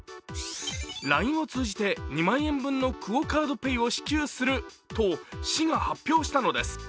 ＬＩＮＥを通じて２万円分のＱＵＯカードＰａｙを支給すると市が発表したのです。